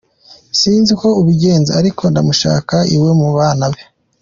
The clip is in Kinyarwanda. Sinzi uko ubigenza, ariko ndamushaka iwe, mu bana be.